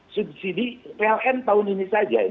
subsidi pln tahun ini saja